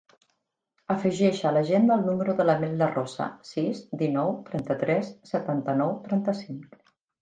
Afegeix a l'agenda el número de la Mel Larrosa: sis, dinou, trenta-tres, setanta-nou, trenta-cinc.